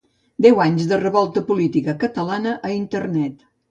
Deu anys de la revolta política catalana a Internet.